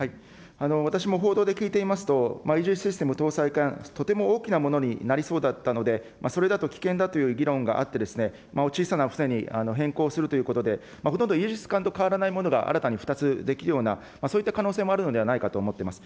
私も報道で聞いていますと、イージスシステム搭載艦、とても大きなものになりそうだったので、それだと危険だという議論があって、小さな船に変更するということで、ほとんどイージス艦と変わらないものが新たに２つできるような、そういった可能性もあるのではないかと思っております。